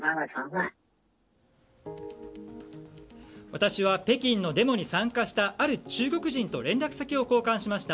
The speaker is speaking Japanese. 私は北京のデモに参加したある中国人と連絡先を交換しました。